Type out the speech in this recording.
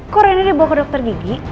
kok reina dibawa ke dokter gigi